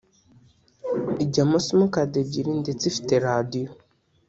ijyamo simukadi ebyiri ndetse ifite radio